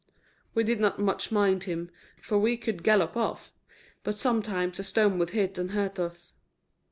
We did not much mind him, for we could gallop off; but sometimes a stone would hit and hurt us.